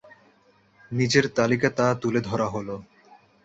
নিচের তালিকা তা তুলে ধরা হলো।